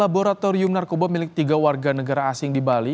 laboratorium narkoba milik tiga warga negara asing di bali